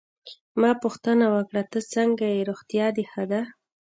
ما پوښتنه وکړه: ته څنګه ېې، روغتیا دي ښه ده؟